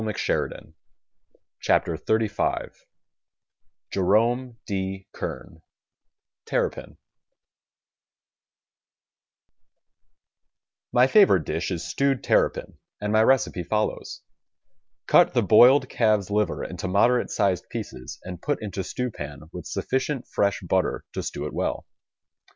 WRITTEN FOR MEN BY MEN XXXV Jerome D, Kern TERRAPIN My favorite dish is Stewed Terrapin and my recipe follows : Cut the boiled calves' liver into moderate sized pieces and put into stew pan with sufficient fresh butter to stew it well.